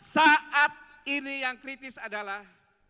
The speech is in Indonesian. saat ini yang kritis adalah